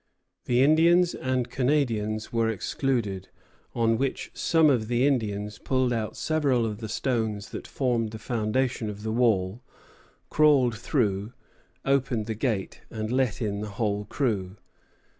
The Indians and Canadians were excluded; on which some of the Indians pulled out several of the stones that formed the foundation of the wall, crawled through, opened the gate, and let in the whole crew.